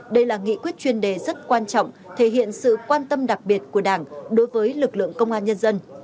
đây là nghị quyết chuyên đề rất quan trọng thể hiện sự quan tâm đặc biệt của đảng đối với lực lượng công an nhân dân